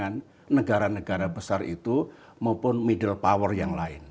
jadi kita harus memperhatikan negara negara besar itu maupun middle power yang lain